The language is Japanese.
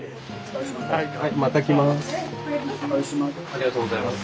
ありがとうございます。